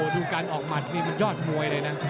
ดูการออกหมัดนี่มันยอดมวยเลยนะ